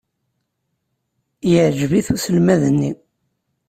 Yeɛjeb-it uselmad-nni.